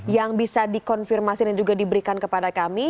yang bisa dikonfirmasi dan juga diberikan kepada kami